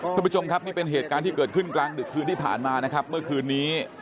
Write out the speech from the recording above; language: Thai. คุณผู้ชมครับนี่เป็นเหตุการณ์ที่เกิดขึ้นกลางดึกคืนที่ผ่านมานะครับเมื่อคืนนี้